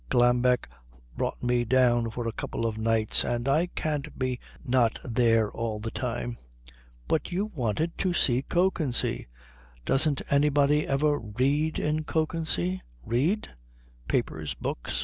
Glambeck brought me down for a couple of nights, and I can't be not there all the time." "But you wanted to see Kökensee " "Doesn't anybody ever read in Kökensee?" "Read?" "Papers? Books?